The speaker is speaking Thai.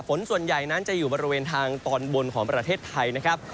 ฝนส่วนใหญ่นั้นจะอยู่บริเวณทางตอนบนของประเทศไทยนะครับ